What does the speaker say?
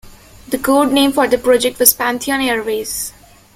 The code name for the project was Pantheon Airways.